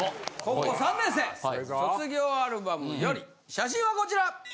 写真はこちら！